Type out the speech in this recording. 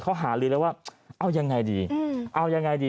เขาหาลือแล้วว่าเอายังไงดีเอายังไงดี